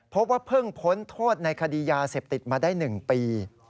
พบว่าเพิ่งพ้นโทษในคดียาเสพติดมาได้๑ปี